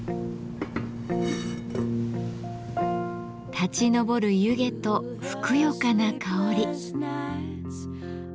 立ち上る湯気とふくよかな香り。